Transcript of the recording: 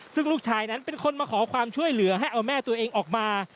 ซึ่งลูกชายนั้นเป็นคนมาขอความช่วยเหลือให้เอาแม่ตัวเองออกมา